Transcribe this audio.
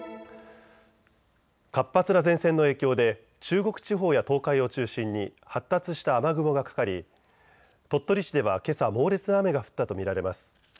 活発な前線の影響で中国地方や東海を中心に発達した雨雲がかかり鳥取市ではけさ、猛烈な雨が降ったと見られます。